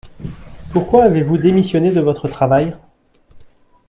Pourquoi avez-vous démissionné de votre travail ?